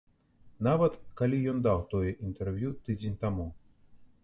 Нават калі ён даў тое інтэрв'ю тыдзень таму.